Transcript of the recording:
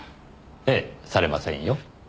ええされませんよ。